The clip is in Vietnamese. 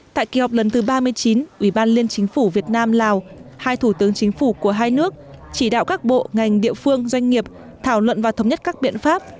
tại kỳ họp lần thứ ba mươi chín ủy ban liên chính phủ việt nam lào hai thủ tướng chính phủ của hai nước chỉ đạo các bộ ngành địa phương doanh nghiệp thảo luận và thống nhất các biện pháp